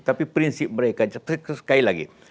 tapi prinsip mereka sekali lagi